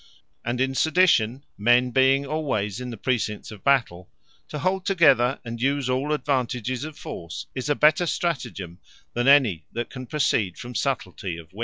And in sedition, men being alwayes in the procincts of Battell, to hold together, and use all advantages of force, is a better stratagem, than any that can proceed from subtilty of Wit.